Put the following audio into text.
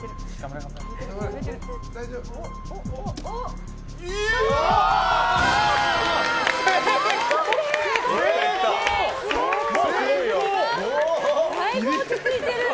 だいぶ落ち着いてる。